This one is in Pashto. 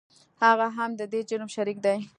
هغه هم د دې جرم شریک دی .